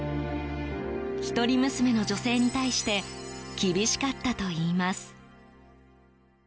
１人娘の女性に対して厳しかったといいます。